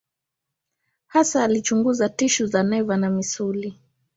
Hasa alichunguza tishu za neva na misuli.